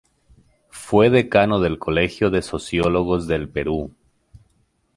Fue Decano del Colegio de Sociólogos del Perú.